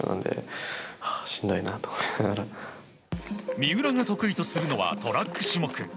三浦が得意とするのはトラック種目。